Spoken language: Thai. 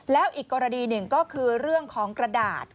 แล้วอีกกรณีหนึ่งก็คือเรื่องของกระดาษ